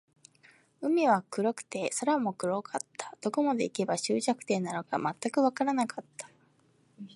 海は黒くて、空も黒かった。どこまで行けば、終着点なのか全くわからなかった。